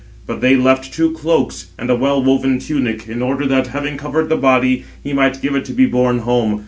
But they left two cloaks and a well woven tunic, in order that, having covered the body, he might give it to be borne home.